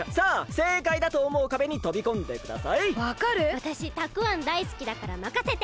わたしたくあんだいすきだからまかせて！